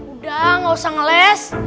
udah gak usah ngeles